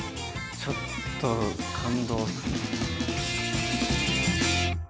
ちょっと感動ですね。